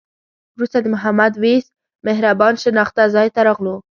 وروسته د محمد وېس مهربان شناخته ځای ته راغلو.